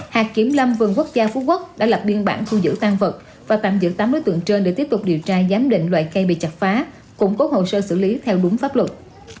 hạt kiểm lâm vườn quốc gia phú quốc đã lập biên bản thu giữ tan vật và tạm giữ tám đối tượng trên để tiếp tục điều tra giám định loại cây bị chặt phá củng cố hồ sơ xử lý theo đúng pháp luật